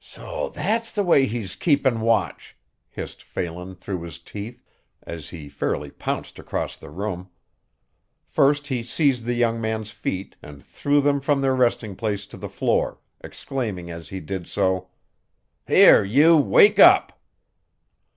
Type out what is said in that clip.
"So that's the way he's kapin' watch!" hissed Phelan through his teeth, as he fairly pounced across the room. First he seized the young man's feet and threw them from their resting place to the floor, exclaiming as he did so: "Here you wake up!"